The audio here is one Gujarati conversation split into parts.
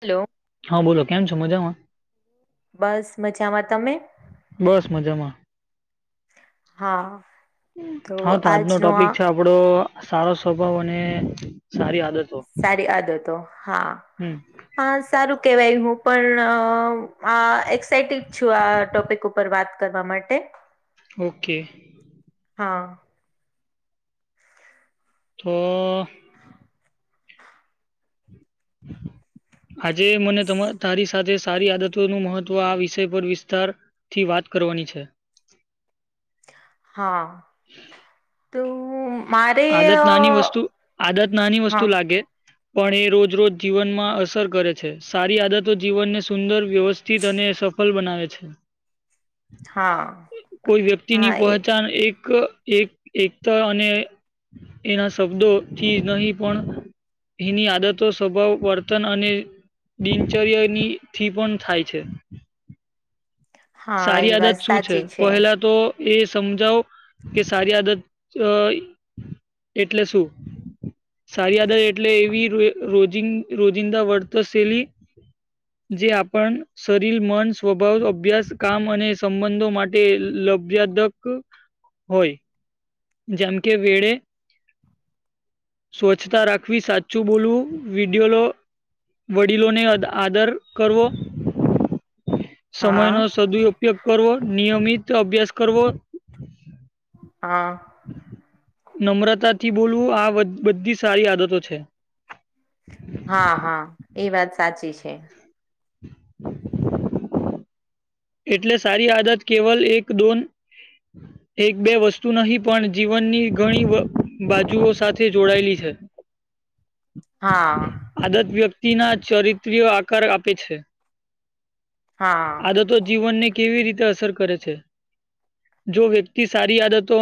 હેલો હા બોલો કેમ છો મજામાં? બસ મજામાં તમે. બસ મજામાં હા હા તો આજનો ટોપિક છે. આપડો સારો સ્વભાવ અને સારી આદતો સારી આદતો હા હમ હા સારું કેહેવાય હું પણ આ એક્સાાઈટેડ છું આ ટોપિક ઉપર વાત કરવા માટે. ઓકે. હા. તો. આજે મને તમા તારી સાથે સારી આદત તો નું મહત્વ આ વિષય પર વિસ્તારથી વાત કરવાની છે. હા તો. મારે આદત અ, નાની વસ્તુ આદત નાની હા વસ્તુ લાગે. પણ એ રોજ રોજ જીવનમાં અસર કરે છે સારી આદતો જીવનને સુંદર વ્યવસ્ સ્થિત અને સફળ બનાવે છે. હા કોઈ વ્યક્તિની હા એ પહચાન એક એક એકતા અને એના શબ્દોથી નહીં પણ એની આદતો સ્વભાવ વર્તન અને દિનચર્યાની થી પણ થાય છે. હા સારી એ વાત આદત શું છે સાચી પહેલા તો એ સમજાવ કે સારી આદત એટલે શું? સારી આદત એટલે એવી રોજ રોજિંદા વર્ત શલી જે આપણ શરીર મન સ્વભાવ અભ્યાસ કામ અને સંબંધો માટે લભ્યાદક હોય. જેમ કે વેળે. સ્વચ્છતા રાખવી સાચું બોલવું વિડિયો લો. વડીલોને આદર કરવો. હા. દુ ઉપયોગ કરવો નિયમિત અભ્યાસ કરવો હા નમ્રતા થી બોલવું આ બંધ બધી સારી આદતો છે, હા હા એ વાત સાચી છે, [inaudible] એટલે સારી આદત કેવલ એક દોન એક બે વસ્તુ નહી પણ જીવનની ઘણી વ બાજુઓ સાથે જોડાયેલી છે, [inaudible] હા, આદત વ્યક્તિના ચરિત્ર્ય આકાર આપે છે. હા, તો જીવન ને કેવી રીતે અસર કરે છે. જો વ્યક્તિ સારી આદતો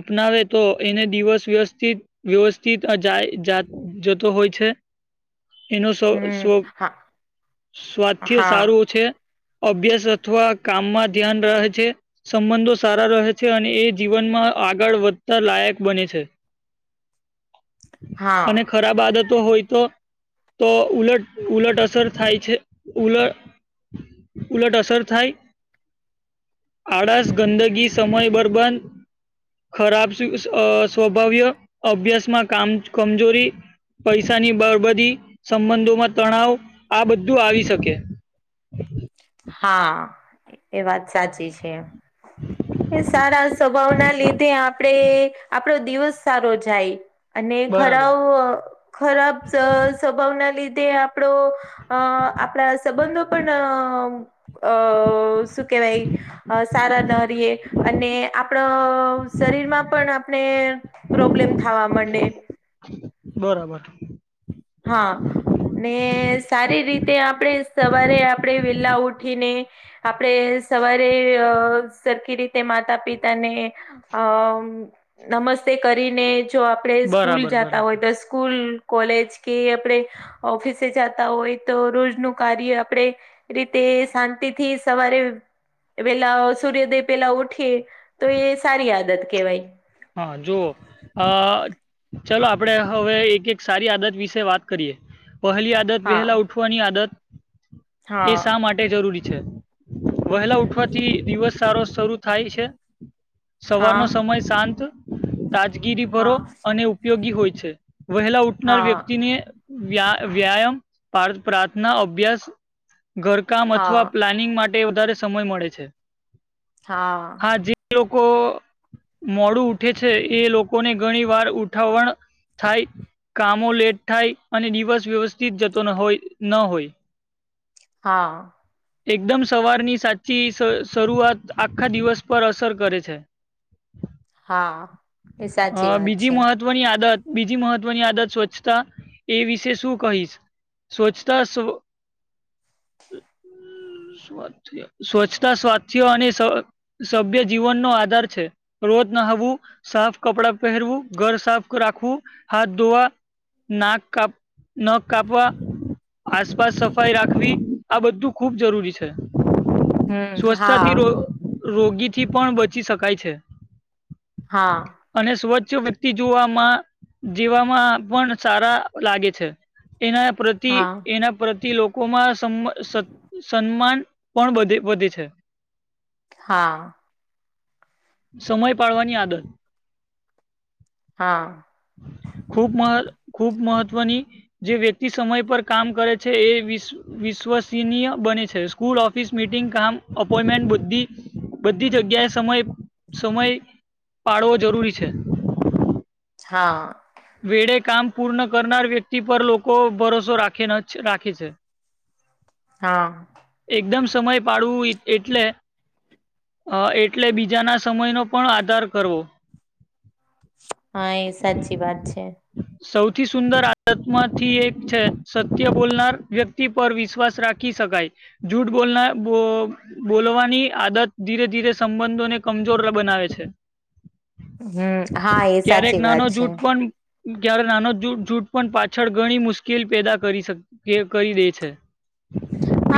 અપનાવે તો એને દિવસ વ્યવસથી વ્યવસ્થિત જાય જતો હોય છે, એનો સ્વ હમ સ્વ હા સ્વાસ્થ્ય હા સારું છે. અભ્યાસ અથવા કામમાં ધ્યાન રહે છે સંબંધો સારા રહે છે, અને એ જીવનમાં આગળ વધતા લાયક બને છે. હા અને ખરાબ બાદતો હોય તો તો ઉલટ ઉલટ અસર થાય છે ઉલટ ઉલટ અસર થાય આળસ ગંદગી સમય બરબંધ ખરાબ સ્વભાવ્ય અભ્યાસમાં કામ કમજોરી પૈસાની બરબદી સંબંધોમાં તણાવ આ બધું આવી શકે. [inaudible] હા એ વાત સાચી છે. [inaudible] એ સારા સ્વભાવ ના લીધે આપડે આપડો દિવસ સારો જાય, અને બરાબર ખરા ખરાબ સ્વભાવના લીધે આપ આપડો અ આપણા સંબંધો પણ અ શું કેહેવાય સારા નરીએ અને આપણો અ શરીરમાં પણ આપણે પ્રોબ્લેમ થવા માંડે, બરાબર હા ને સારી રીતે આપણે સવારે આપણે વેલા ઉઠીને આપડે સવારે અ સરખી રીતે માતા પિતાને અ નમસ્તે કરીને જો આપે બરાબર સ્કૂલ બરાબર જાતા હોય તો સ્કૂલ કોલેજ કે આપણે ઓફિસે જતા હોય તો રોજ નુ કાર્ય આપડે રીતે શાંતિ થી સવારે પેલા સૂર્યોદય પેલા ઉઠીએ, તો એ સારી આદત કેહેવાય. હા જો અ ચલો આપડે હવે એક એક સારી આદત વિશે વાત કરીએ, પહેલી આદત વહેલા હા ઉઠવાની આદત એ હા શા માટે જરૂરી છે વહેલા ઉઠવાથી દિવસ સારો શરૂ થાય છે. હા સવારનો સમય શાંત તાજગીરી ભરો હા અને ઉપયોગી હોય છે, વહેલા ઉઠનાર હા વ્યક્તિને વ્યા વ્યાયામ પ્રા પ્રાર્થના અભ્યાસ ઘર કે કામ હા અથવા પ્લાનિંગ માટે વધારે સમય મળે છે. હા, જે લોકો મોડું ઉઠે છે, એ લોકોને ઘણી વાર ઉઠાવણ થાય કામો લેટ થાય અને દિવસ વ્યવસ્થિત જતો હોય ન હોય. [inaudible] હા, એકદમ સવારની સાચી શરૂઆત આખા દિવસ પર અસર કરે છે. હા એ સાચી અ વાત બીજી છે મહત્ મહત્વની આદત બીજી મહત્વની આદત સ્વચ્છતા એ વિશે શું કહીશ. સ્વચ્છતા સ્વચ્છતા સ્વાસ્થ્ય અને સભ્ય જીવનનો આધાર છે રોજ નહાવુ, સાફ કપડા પહેરવું, ઘર સાફ રાખવું, હાથ ધોવા નાક કાપ નખ કાપવા આસપાસ સફાઈ રાખવી આ બધું ખુબ જરૂરી છે. હમ હા સ્વચ્છતાથી રો રોગીથી પણ બચી શકાય છે. હા. અને સ્વચ્છ વ્યક્તિ જોવામાં જીવામાં પણ સારા લાગે છે. એના પ્રતિ હા એના પ્રતિ લોકો લોકોમાં સમ સન્માન પણબધ બધી છે. હા. સમય પાડવાની આદત હા. ખૂબ મહ ખૂબ મહત્વની જે વ્યક્તિ સમય પર કામ કરે છે એ વિશ વિશ્વસનીય બને છે સ્કૂલ ઓફિસ મિટિંગ કામ અપોઈન્ટમેન્ટ બુદ્ધિ બધી જગ્યાએ સમય સમય પાડવો જરૂરી છે. હા. વેડે કામ પૂર્ણ કરનાર વ્યક્તિ પર લોકો ભરોસો રાખે ન રાખે છે. [inaudible] હા. એકદમ સમય પાડવું એટલે અ એટલે બીજાના સમયનો પણ આધાર કરવો. હા એ સાચી વાત છે. સૌથી સુંદર આત્માથી એક છે સત્ય બોલનાર વ્યક્તિ પર વિશ્વાસ રાખી શકાય જૂઠ બોલના બો બોલવાની આદત ધીરે ધીરે સંબંધોને કમજોર બનાવે છે. હમ હા એ સાચી વાત છે. ક્યારે નાનો જૂટ પણ પાછળ ઘણી મુશ્કેલી પેદા કરી શક કે કરી દે છે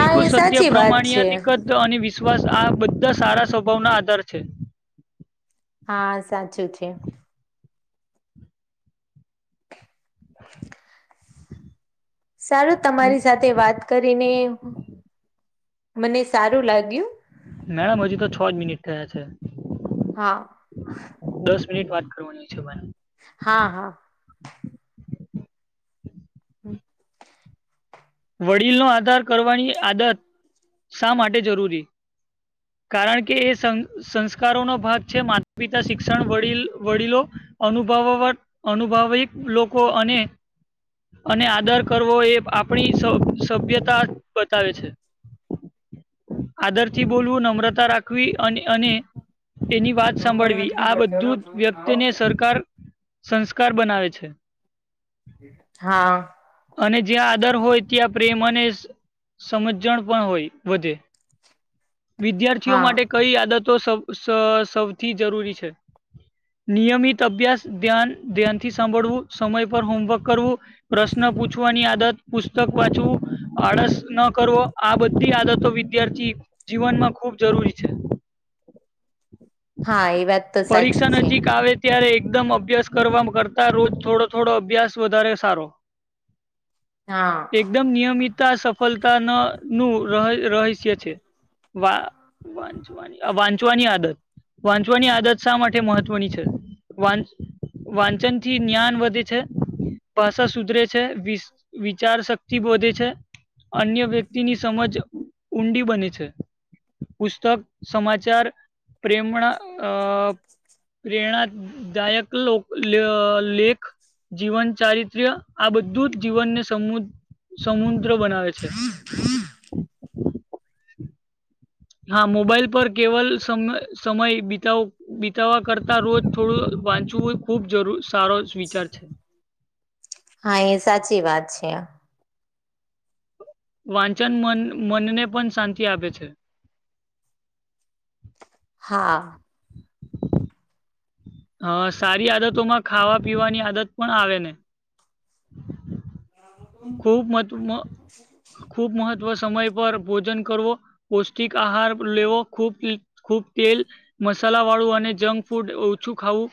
હા એ સત્ય સાચી વાત છે પ્રમાણ્યની અને વિશ્વાસ આ બધા સારા સ્વભાવના આધાર છે. હા સાચું છે. સારું તમારી સાથે વાત કરીને મને સારું લાગ્યું. મેમ હજી તો છ જ મિનિટ થયા છે. હા. દસ મિનિટ વાત કરવાની છે. હા હા. [inaudible] વડીલનો આધાર કરવાની આદત શા માટે જરૂરી કારણ કે એ સં. સંસ્કારો નો ભાગ છે માતા પિતા શિક્ષણ વડીલ વડીલો. અનુભવા અનુભવિક લોકો અને અને આદર કરવો એ આપ આપણી સભ્યતા બતાવે છે. આદર થી બોલવું નમ્રતા રાખવી અને એની વાત સાંભળવી આ બધું જ વ્યક્તિને સરકાર સંસ્કાર બનાવે છે. હા. અને જ્યાં. દર હોય ત્યાં પ્રેમ અને સમજણ પણ હોય વધે. વિદ્યાર્થીઓ હા માટે કઈ આદતો સૌ સ સૌથી જરૂરી છે. નિયમિત અભ્યાસ ધ્યાન ધ્યાનથી સાંભળવું સમય પર હોમવર્ક કરવું. પ્રશ્ન પૂછવાની આદત. પુસ્તક વાચવું આળસ ન કરવો આ બધી આદતો વિદ્યાર્થી. જીવન માં ખુબ જરૂરી છે. હા એ વાત તો પરીક્ષા સાચી છે નજીક આવે. ત્યારે એકદમ અભ્યાસ કરવા કરતા રોજ થોડો થોડો અભ્યાસ વધારે સારો. હા એકદમ નિયમિત. સફળતાના નું રહ રહસ્ય છે. વા વાંચવાની વાંચવાની આદત. વાંચવાની આદત શા માટે મહત્વની છે વાંચ. વાંચન થી ન્યાન્ વધે છે. ભાષા સુધરે છે વીસ વિચાર શક્તિ વધે છે. અન્ય વ્યક્તિની સમજ ઊંડી બને છે. પુસ્તક સમાચાર. પ્રેમણા અ. પ્રેરણાદાયક લોક લેખ. જીવન ચારિત્ર્ય આ બધું જ જીવનને સમુ. સમુદ્ર બનાવે છે. હા મોબાઈલ પર કેવલ સમ સમય બિતાવો. બિતાવા કરતા રોજ થોડું વાંચવું ખુબ જરૂર સારો વિચાર છે. હા એ સાચી વાત છે આ. વાંચન મન મનને પણ શાંતિ આપે છે. હા. હ સારી આદતોમાં ખાવા પીવાની આદત પણ આવે ને. ખૂબ મહ ખૂબ મહત્વ સમય પર ભોજન કરવો. પૌષ્ટિક આહાર લેવો ખૂબ ખૂબ તેલ. મસાલા વાળું અને જંક ફૂડ ઓછું ખાવું.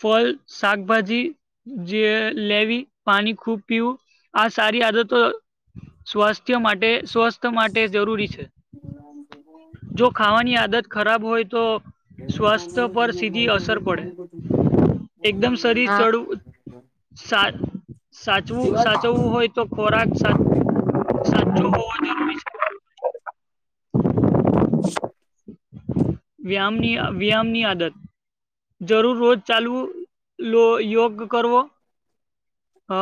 ફલ શાકભાજી જે લેવી પાણી ખૂબ પીવું. આ સારી આદતો સ્વાસ્થ્ય માટે સ્વસ્થ્ય માટે જરૂરી છે. [unintelligible] જો ખાવાની આદત ખરાબ હોય તો. સ્વાસ્થ્ય પર સીધી અસર પડે [unintelligible] એકદમ શરીર હા ચડવું. સાચવું સાચવવું હોય તો ખોરાક સાચું હોય. [inaudible] વ્યામની વ્યામ ની આદત. જરૂર રોજ ચાલવું લો યોગ કરવો. અ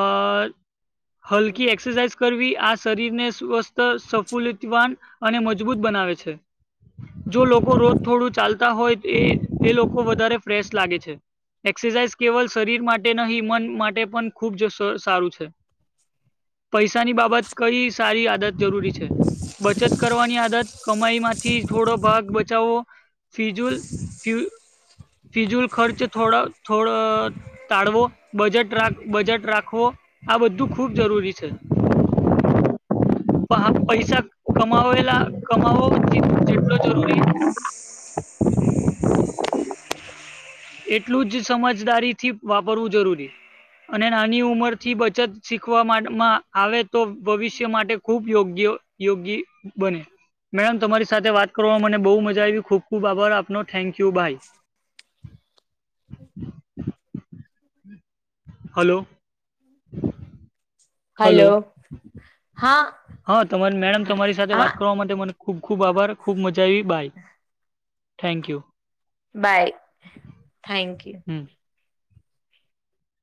હલકી એક્સસાઈઝ. કરવી આ શરીરને સ્વસ્થ સફુલિતવાન અને મજબૂત બનાવે છે. જો લોકો રોજ થોડું ચાલતા હોય એ એ લોકો વધારે ફ્રેશ લાગે છે. એક્સરસાઇઝ કેવલ શરીર માટે નહી મન માટે પણ ખુબ જ સારું છે. પૈસાની બાબત કઈ સારી આદત જરૂરી છે. બચત કરવાની આદત કમાઈ માંથી થોડો ભાગ બચાવો. ફિજૂલ ફ ફિજૂલ ખર્ચ થોડા થોડા ટાળવો બજેટ બજેટ રાખવો. આ બધું ખુબ જરૂરી છે. પૈસા કમાવેલા કમાવો જેટલો જરૂરી. એટલું જ સમજદારી થી વાપરવું જરૂરી. અને નાની ઉંમર થી બચત શીખવામાં આવે તો ભવિષ્ય માટે ખૂબ યોગ્ય યોગ્ય બને. મેડમ તમારી સાથે વાત કરવામાં મને બહુ મજા આવી ખૂબ ખૂબ આભાર આપનો thank you bye. Hello! Hello હા હા તમારી મેડમ તમારી સાથે હા વાત કરવા માટે મને ખુબ ખુબ આભાર. ખૂબ મજા આવી bye thank you. Bye thank you hmm